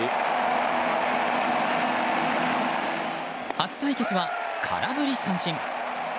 初対決は空振り三振。